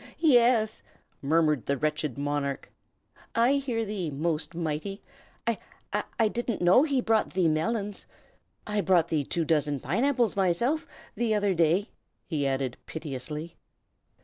"Ye ye yes!" murmured the wretched monarch. "I hear thee, Most Mighty. I I didn't know he brought thee melons. I brought thee two dozen pineapples myself, the other day," he added piteously.